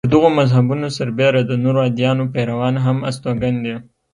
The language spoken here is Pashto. پر دغو مذهبونو سربېره د نورو ادیانو پیروان هم استوګن دي.